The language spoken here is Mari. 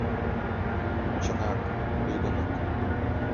Чынак, лӱдыныт.